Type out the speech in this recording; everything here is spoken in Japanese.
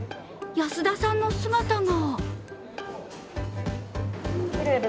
安田さんの姿が。